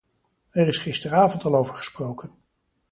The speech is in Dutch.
Er is gisteravond al over gesproken.